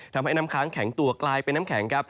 ทำให้น้ำค้างแข็งตัวกลายเป็นน้ำแข็งครับ